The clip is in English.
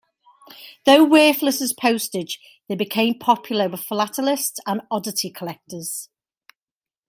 Though worthless as postage, they became popular with philatelists and oddity collectors.